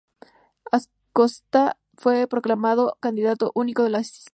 Acosta fue proclamado "Candidato Único de las Izquierdas".